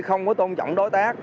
không có tôn trọng đối tác